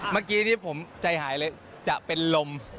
เมื่อกี้ที่ผมใจหายเลยจะเป็นลม